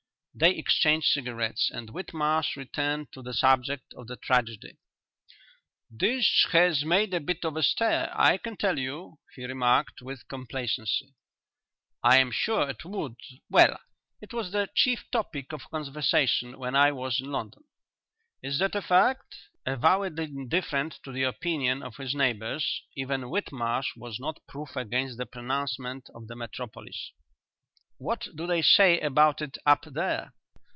They exchanged cigarettes and Whitmarsh returned to the subject of the tragedy. "This has made a bit of a stir, I can tell you," he remarked, with complacency. "I am sure it would. Well, it was the chief topic of conversation when I was in London." "Is that a fact?" Avowedly indifferent to the opinion of his neighbours, even Whitmarsh was not proof against the pronouncement of the metropolis. "What do they say about it up there?"